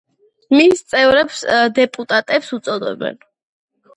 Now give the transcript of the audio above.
მის წევრებს დეპუტატებს უწოდებენ.